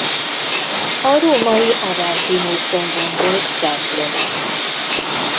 A római Aventinus dombon volt temploma.